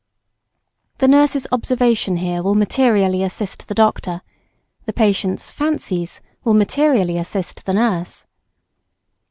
The nurse's observation here will materially assist the doctor the patient's "fancies" will materially assist the nurse.